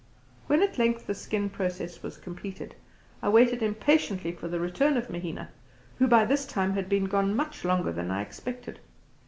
When at length the skinning process was completed, I waited impatiently for the return of Mahina, who had by this time been gone much longer than I expected.